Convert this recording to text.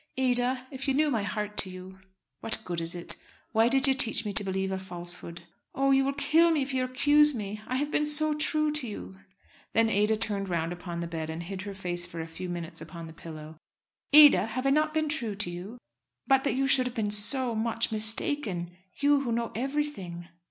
"Ada, if you knew my heart to you." "What good is it? Why did you teach me to believe a falsehood?" "Oh! you will kill me if you accuse me. I have been so true to you." Then Ada turned round upon the bed, and hid her face for a few minutes upon the pillow. "Ada, have I not been true to you?" "But that you should have been so much mistaken; you, who know everything."